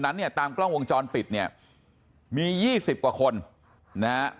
นั้นเนี่ยตามกล้องวงจอลปิดเนี่ยมี๒๐กว่าคนนะแต่